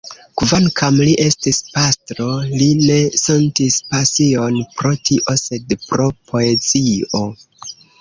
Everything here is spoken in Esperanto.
Kvankam li estis pastro, li ne sentis pasion pro tio, sed pro poezio.